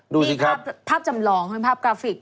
นี่ภาพจำลองเป็นภาพกราฟิก